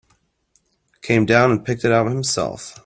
Came down and picked it out himself.